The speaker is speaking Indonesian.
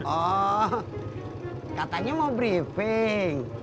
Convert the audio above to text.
oh katanya mau briefing